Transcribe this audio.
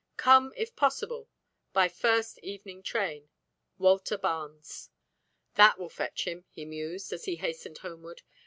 Come, if possible, by first evening train. "WALTER BARNES." "That will fetch him," he mused, as he hastened homeward.